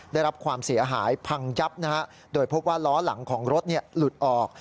ได้รับความเสียหายพังยับนะฮะโดยพบว่าล้อหลังของรถหลุดออก